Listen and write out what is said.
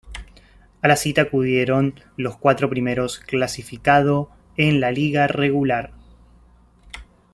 A la cita acudieron los cuatro primeros clasificado en la liga regular.